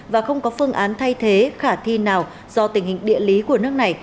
và không có phương án thay thế khả thi nào do tình hình địa lý của nước này